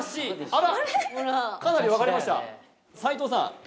あらかなり分かれました齊藤さん